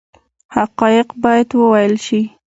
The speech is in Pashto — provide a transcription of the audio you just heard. حقایق باید وویل شي